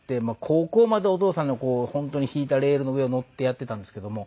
高校までお父さんの本当に敷いたレールの上をのってやってたんですけども。